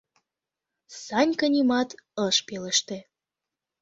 Санька нимат ыш пелеште.